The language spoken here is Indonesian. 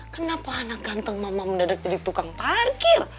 kenapa anak kantong mama mendadak jadi tukang parkir